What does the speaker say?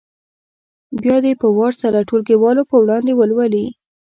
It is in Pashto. بیا دې په وار سره ټولګیوالو په وړاندې ولولي.